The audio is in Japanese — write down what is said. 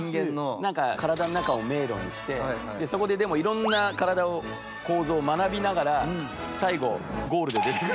なんか体の中を迷路にしてそこででも色んな体を構造を学びながら最後ゴールで出てくる。